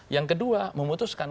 yang kedua memutuskan